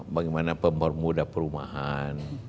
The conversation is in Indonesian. bagaimana mempermudah perumahan